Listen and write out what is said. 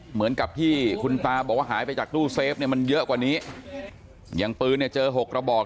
เหมือนกับที่คุณตาบอกว่าหายไปจากตู้เซฟมันเยอะกว่านี้ยังปืนเจอ๖กระบอก